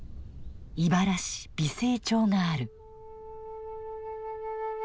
井原市美星町がある。